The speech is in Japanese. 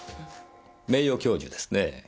名誉教授ですねぇ。